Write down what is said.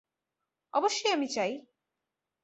অবশ্যই আমি চাই!